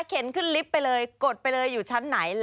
ขึ้นลิฟต์ไปเลยกดไปเลยอยู่ชั้นไหน